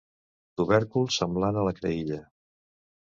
Tubèrcul semblant a la creïlla.